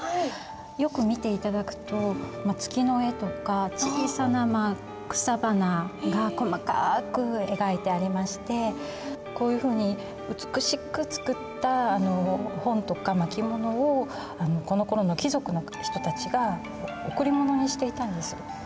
よく見て頂くと月の絵とか小さな草花が細かく描いてありましてこういうふうに美しく作った本とか巻物をこのころの貴族の人たちが贈り物にしていたんですよ。